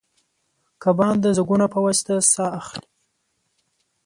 کبان د زګونو په واسطه ساه اخلي